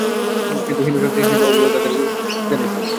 কিন্তু হীন স্বার্থ হাসিলে অবলীলায় তাদের প্রাণ হরণে দ্বিধা নেই কারও।